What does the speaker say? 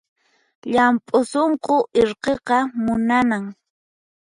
Llampu sunqu irqiqa munanan